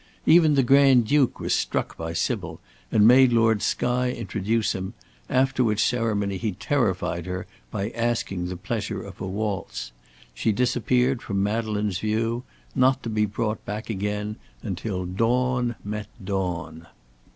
Even the Grand Duke was struck by Sybil, and made Lord Skye introduce him, after which ceremony he terrified her by asking the pleasure of a waltz. She disappeared from Madeleine's view, not to be brought back again until Dawn met dawn.